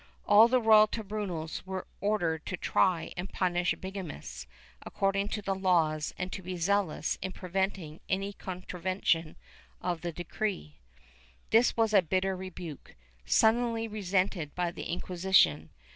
All the royal tribunals were ordered to try and punish bigamists, according to the laws and to be zealous in preventing any contra vention of the decree.^ This was a bitter rebuke, sullenly resented by the Inquisition.